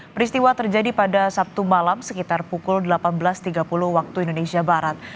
peristiwa terjadi pada sabtu malam sekitar pukul delapan belas tiga puluh waktu indonesia barat